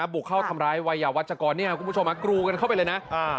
หมึกเข้าทำร้ายวัยวัฒน์เจ้ากรเนี่ยมุกที่สองกรูกันข้อไปเลยนะ